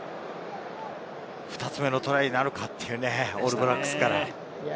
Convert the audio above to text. ２つ目のトライなるか、オールブラックスから。